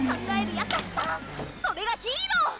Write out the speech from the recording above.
優しさそれがヒーロー！